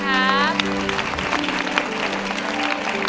ขอบคุณครับ